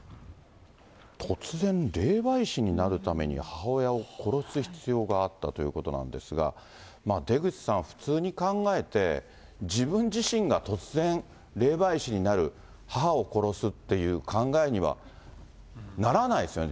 突然、霊媒師になるために母親を殺す必要があったということなんですが、出口さん、普通に考えて、自分自身が突然、霊媒師になる、母を殺すっていう考えには、ならないですよね。